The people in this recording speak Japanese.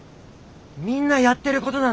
みんなやってることなんだ。